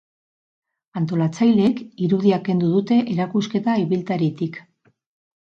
Antolatzaileek irudia kendu dute erakusketa ibiltaritik.